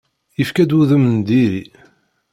Yefka-d udem n diri.